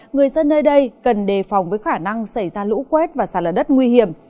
người dân nơi đây cần đề phòng với khả năng xảy ra lũ quét và sạt lở đất nguy hiểm